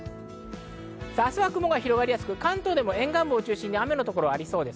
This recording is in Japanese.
明日は雲が広がりやすく、関東でも沿岸部を中心に雨の所がありそうです。